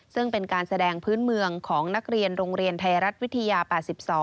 ซึ่งเป็นการแสดงพื้นเมืองของนักเรียนโรงเรียนไทยรัฐวิทยา๘๒